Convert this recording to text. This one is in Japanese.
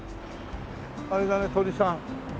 あれだね鳥さん。